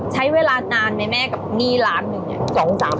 ใช้เวลานานไหมแม่กับหนี้ล้านหนึ่งเนี่ย